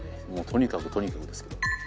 とにかくとにかくですけど。